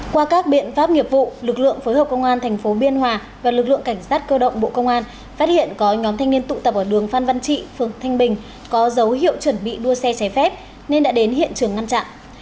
qua các biện pháp nghiệp vụ lực lượng phối hợp công an thành phố biên hòa và lực lượng cảnh sát cơ động bộ công an phát hiện có nhóm thanh niên tụ tập ở đường phan văn trị phường thanh bình có dấu hiệu chuẩn bị đua xe trái phép nên đã đến hiện trường ngăn chặn